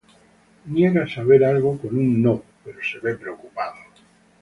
Él niega saber algo con un "no", pero se ve preocupado.